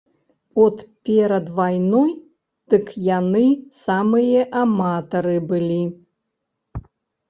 От перад вайною, дык яны самыя аматары былі.